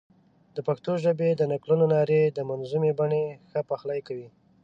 د پښتو ژبې د نکلونو نارې د منظومې بڼې ښه پخلی کوي.